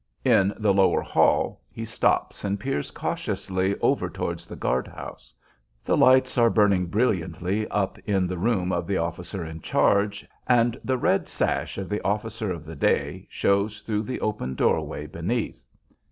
In the lower hall he stops and peers cautiously over towards the guard house. The lights are burning brilliantly up in the room of the officer in charge, and the red sash of the officer of the day shows through the open door way beneath.